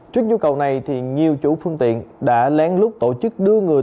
trước nhu cầu này nhiều chủ phương tiện đã lén lút tổ chức đưa người